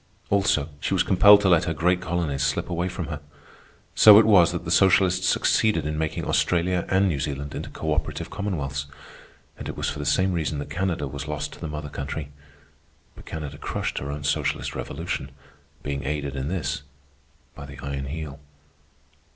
Also, she was compelled to let her great colonies slip away from her. So it was that the socialists succeeded in making Australia and New Zealand into cooperative commonwealths. And it was for the same reason that Canada was lost to the mother country. But Canada crushed her own socialist revolution, being aided in this by the Iron Heel.